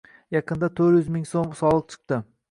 Yaqinda to'rt yuz ming soʼm soliq chiqdi.